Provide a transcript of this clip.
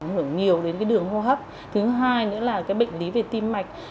hướng nhiều đến đường hô hấp thứ hai nữa là bệnh lý về tim mạch